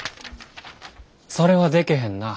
それはでけへんな。